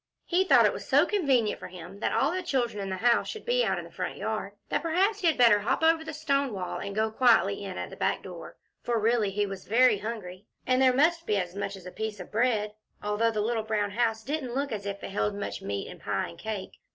He thought it was so convenient for him that all the children in the house should be out in the front yard, that perhaps he had better hop over the stone wall and go quietly in at the back door; for really he was very hungry, and there must be as much as a piece of bread, although the little brown house didn't look as if it held much meat and pie and cake.